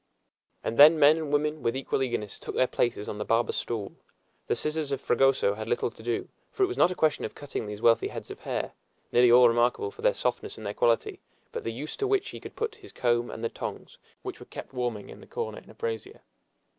And then men and women, with equal eagerness, took their places on the barber's stool. The scissors of Fragoso had little to do, for it was not a question of cutting these wealthy heads of hair, nearly all remarkable for their softness and their quality, but the use to which he could put his comb and the tongs, which were kept warming in the corner in a brasier.